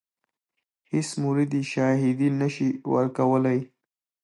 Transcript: هیڅ مرید یې شاهدي نه شي ورکولای.